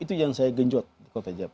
itu yang saya genjot di kota jab